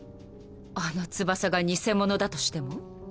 あの翼が偽物だとしても？